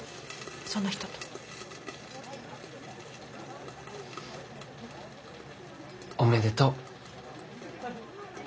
その人と。おめでとう。